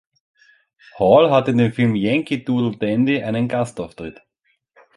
Hall hat in dem Film Yankee Doodle Dandy einen Gastauftritt.